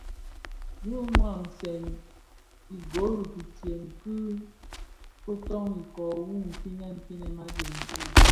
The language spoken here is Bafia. Bi ňwasèn ugôl Kitsem kin kōton ikōō u finèn finèn adyèn fō.